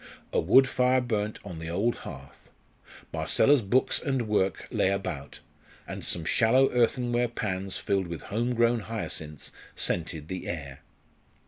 A wood fire burnt on the old hearth. Marcella's books and work lay about, and some shallow earthenware pans filled with home grown hyacinths scented the air.